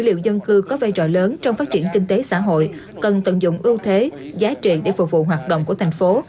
liệu dân cư có vai trò lớn trong phát triển kinh tế xã hội cần tận dụng ưu thế giá trị để phục vụ hoạt động của thành phố